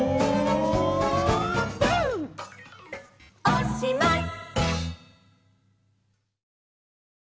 おしまい！